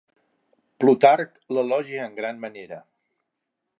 Plutarc l'elogia en gran manera.